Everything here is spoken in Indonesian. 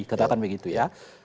katakan begitu ya